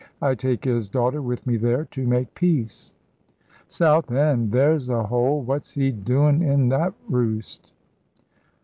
I take his daughter with me there, to make peace." "Southend? There's a hole! What's he doin' in that roost?"